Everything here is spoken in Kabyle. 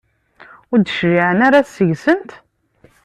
Ur d-cliɛen ara seg-sent?